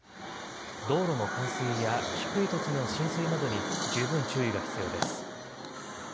道路の冠水や低い土地の浸水などに、十分注意が必要です。